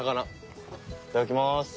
いただきます。